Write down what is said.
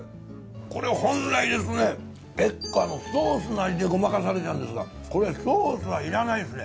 これ本来ですね結構ソースの味でごまかされちゃうんですがこれソースは要らないですね。